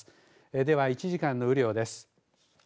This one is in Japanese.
では１時間の雨量です。